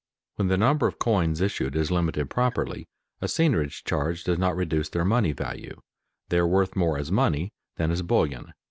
_When the number of coins issued is limited properly, a seigniorage charge does not reduce their money value; they are worth more as money than as bullion.